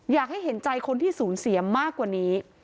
อยากให้เห็นใจคนที่สูญเสียมากกว่านี้